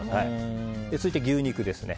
続いて牛肉ですね。